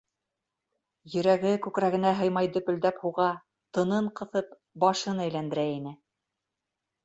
Йөрәге күкрәгенә һыймай дөпөлдәп һуға, тынын ҡыҫып, башын әйләндерә ине.